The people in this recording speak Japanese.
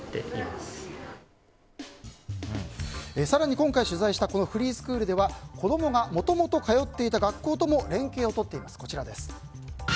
更に今回取材したフリースクールでは子供がもともと通っていた学校とも連携を取っています。